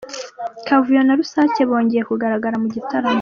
Kavuyo na Rusake bongeye kugaragara mu gitaramo